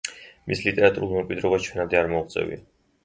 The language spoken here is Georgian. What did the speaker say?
მის ლიტერატურულ მემკვიდრეობას ჩვენამდე არ მოუღწევია.